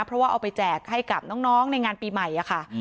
เพราะว่าเอาไปแจกให้กับน้องในงานปีใหม่ค่ะ